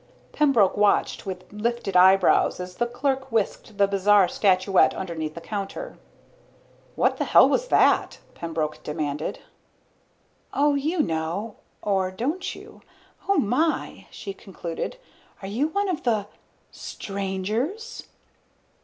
Pembroke watched with lifted eyebrows as the clerk whisked the bizarre statuette underneath the counter. "What the hell was that?" Pembroke demanded. "Oh, you know or don't you? Oh, my," she concluded, "are you one of the strangers?"